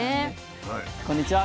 こんにちは。